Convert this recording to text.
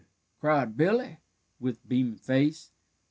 cried Billy, with beaming face.